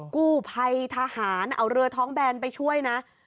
กู้ภัยทหารเอาเรือท้องแบนไปช่วยนะ